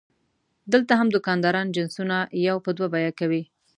دلته هم دوکانداران جنسونه یو په دوه بیه کوي.